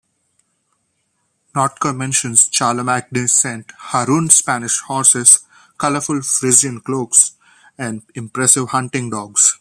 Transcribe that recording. Notker mentions Charlemagne sent Harun Spanish horses, colourful Frisian cloaks and impressive hunting dogs.